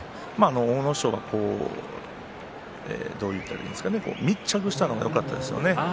阿武咲は密着したのがよかったですね。